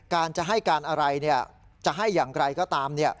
การจะให้การอะไรจะให้อย่างไรก็ตาม